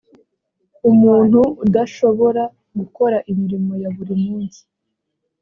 umuntu udashobora gukora imirimo ya buri munsi